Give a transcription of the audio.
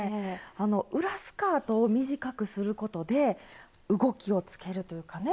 あの裏スカートを短くすることで動きをつけるというかね。